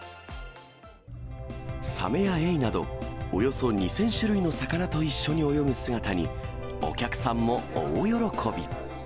サメやエイなど、およそ２０００種類の魚と一緒に泳ぐ姿に、お客さんも大喜び。